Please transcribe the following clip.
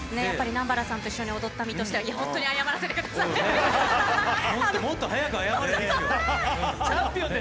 やっぱり南原さんと一緒に踊った身としては、本当に謝らせてください。